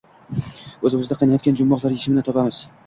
o‘zimizni qiynayotgan jumboqlar yechimini topamiz.